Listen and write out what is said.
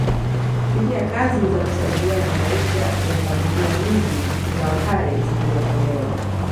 Kupitia kazi za kusaidiana maisha ya familia nyingi za Wapare ziliokolewa